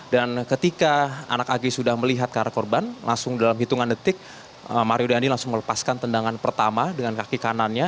dan ketika anak ag sudah melihat ke arah korban langsung dalam hitungan detik mario dandisatrio langsung melepaskan tendangan pertama dengan kaki kanannya